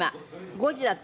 ５時だと。